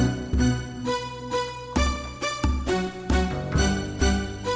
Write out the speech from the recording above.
ncu kamu mau ke cidahu